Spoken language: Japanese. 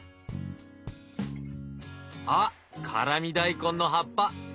あっ辛味大根の葉っぱ。